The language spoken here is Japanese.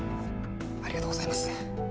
ありがとうございます。